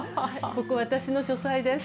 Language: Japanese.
ここは私の書斎です。